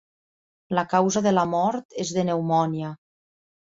La causa de la mort és de pneumònia.